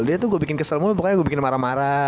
dia tuh gue bikin kesel mul pokoknya gue bikin marah marah